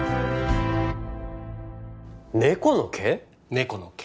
猫の毛？